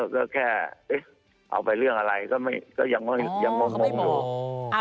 ก็แค่เอาไปเรื่องอะไรก็ยังงงอยู่